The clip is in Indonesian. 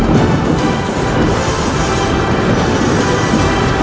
tapi aku sadar diri